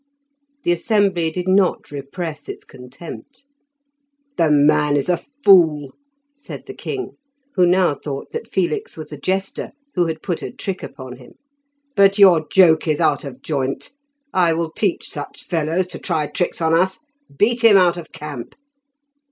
The assembly did not repress its contempt. "The man is a fool," said the king, who now thought that Felix was a jester who had put a trick upon him. "But your joke is out of joint; I will teach such fellows to try tricks on us! Beat him out of camp."